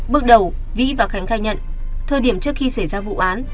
bước đầu vĩ và khánh khai nhận thời điểm trước khi xảy ra vụ án